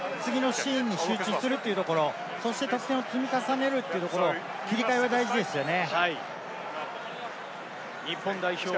そこは忘れて、次のシーンに集中するというところ、そして、得点を積み重ねるということ、切り替えが大事ですね。